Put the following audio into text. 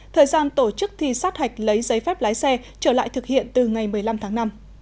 thời gian tổ chức thi sát hạch lấy giấy phép lái xe trở lại thực hiện từ ngày một mươi năm tháng năm